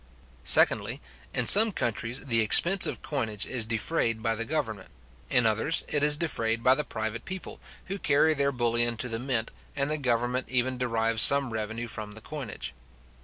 Secondly, In some countries the expense of coinage is defrayed by the government; in others, it is defrayed by the private people, who carry their bullion to the mint, and the government even derives some revenue from the coinage.